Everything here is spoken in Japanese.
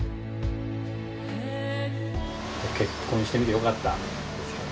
結婚してみてよかったですか？